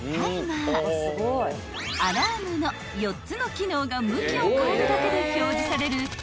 ［４つの機能が向きを変えるだけで表示される